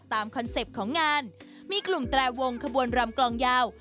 คอนเซ็ปต์ของงานมีกลุ่มแตรวงขบวนรำกลองยาว